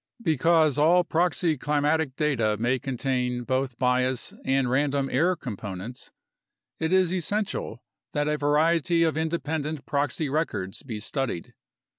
Because all proxy climatic data may contain both bias and random error components, it is essential that a variety of independent proxy records be studied.